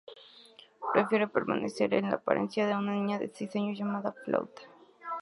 Prefiere permanecer en la apariencia de una niña de seis años llamada "Flauta".